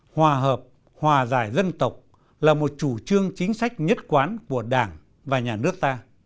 hòa hợp hòa giải dân tộc là một chủ trương chính sách nhất quán của đảng và nhà nước ta